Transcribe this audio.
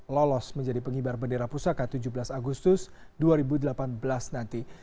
lolos menjadi pengibar bendera pusaka tujuh belas agustus dua ribu delapan belas nanti